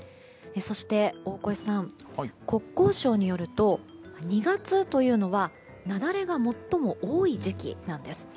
そして大越さん、国交省によると２月というのは雪崩が最も多い時期なんです。